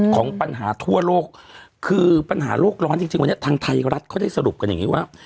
ของปัญหาทั่วโลกคือปัญหาโลกร้อนจริงจริงวันนี้ทางไทยรัฐเขาได้สรุปกันอย่างนี้ว่า